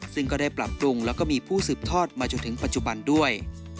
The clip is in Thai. ซึ่งก็ได้ปรับปรุงแล้วก็มีผู้สืบทอดมาจนถึงปัจจุบันด้วย